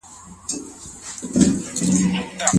که د مېرمني کوم خوی بد درکېږي صبر وکړئ.